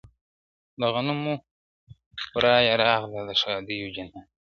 د غمونو ورا یې راغله د ښادیو جنازې دي -